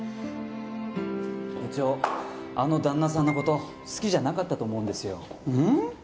部長あの旦那さんのこと好きじゃなかったと思うんですようん？